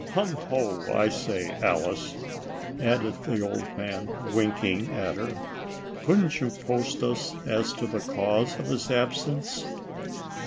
Hum, ho ! I say, Alice," added the old man, winking at her, ' couldn't you post us as to the cause of his absence